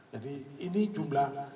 jadi ini jumlah